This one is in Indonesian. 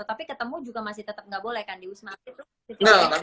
tapi ketemu juga masih tetap nggak boleh kan di wisma atlet